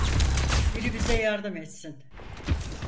Biri bize yardım etsin!